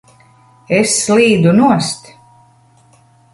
Es slīdu nost!